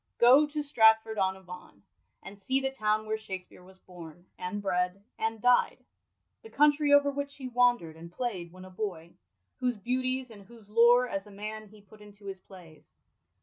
Go to Stratford on Avon, and see the town where Shakspere was bom, and bred, and died ; the country over which he wandei d and playd when a boy, whose beauties and whose lore, as a man, he put into his plays.